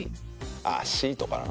あっシートかな？